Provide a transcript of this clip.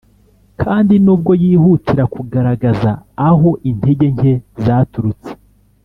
kandi nubwo yihutira kugaragaza aho intege nke zaturutse